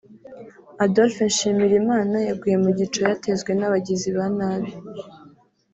Adolphe Nshimirimana yaguye mu gico yatezwe n’abagizi ba nabi